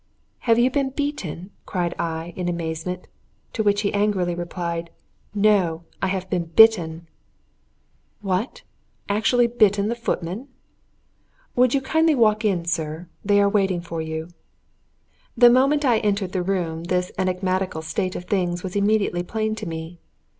"Have you been beaten?" cried I, in amazement; to which he angrily replied: "No! I have been bitten." What, actually bitten the footman! "Would you kindly walk in, sir; they are waiting for you." The moment I entered the room this enigmatical state of things was immediately plain to me.